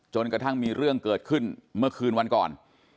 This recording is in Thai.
กระทั่งมีเรื่องเกิดขึ้นเมื่อคืนวันก่อน